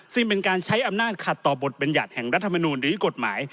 ซึ่งเป็นการใช้อำนาจขัดต่อบทบรรยัติแห่งรัฐมนูลหรือกฎหมาย